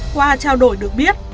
qua trao đổi được biết